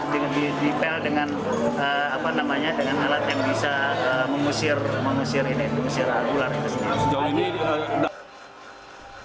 dipel dengan alat yang bisa mengusir ular itu sendiri